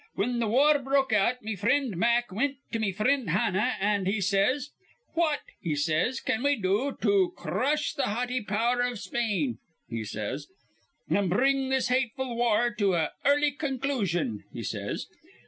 Whin th' war broke out, me frind Mack wint to me frind Hanna, an' says he, 'What,' he says, 'what can we do to cr rush th' haughty power iv Spain,' he says, 'a'n br ring this hateful war to a early conclusion?" he says.